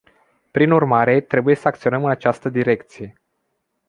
Prin urmare, trebuie să acționăm în această direcție.